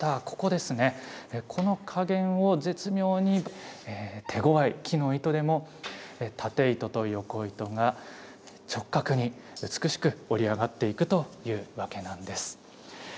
ここですね、この加減を絶妙に手ごわい木の糸でも縦糸と横糸が直角に美しく織り上がっていくというわけなんです。